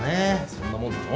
そんなもんなの？